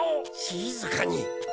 しずかに！